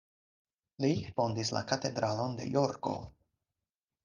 Li fondis la katedralon de Jorko.